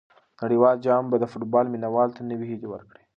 نړیوال جام به د فوټبال مینه والو ته نوې هیلې ورکړي.